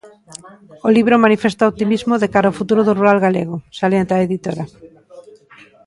O libro manifesta optimismo de cara ao futuro do rural galego, salienta a editora.